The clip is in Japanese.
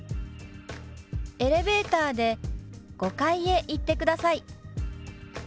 「エレベーターで５階へ行ってください」。